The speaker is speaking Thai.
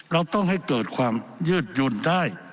เราต้องให้เกิดความยืดหย่นได้